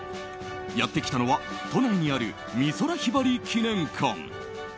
やってきたのは都内にある美空ひばり記念館。